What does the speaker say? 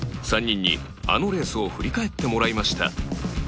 ３人に、あのレースを振り返ってもらいました